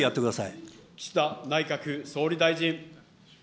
岸田内閣総理大臣。